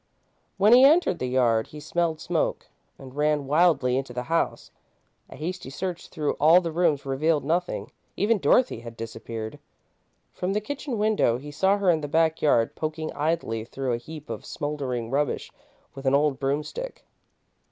When he entered the yard, he smelled smoke, and ran wildly into the house. A hasty search through all the rooms revealed nothing even Dorothy had disappeared. From the kitchen window, he saw her in the back yard, poking idly through a heap of smouldering rubbish with an old broomstick.